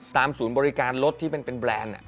ศูนย์บริการรถที่เป็นแบรนด์